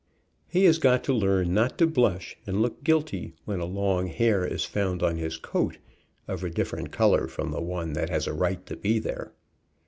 He has got to learn not to blush and look guilty, when a long hair is found on his coat, of a different color from the one that has a right to be there.